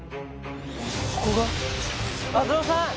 ここが篤郎さん！